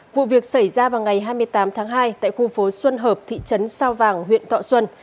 vụ việc xảy ra vào ngày hai mươi tám tháng hai tại khu phố xuân hợp thị trấn sao vàng huyện thọ xuân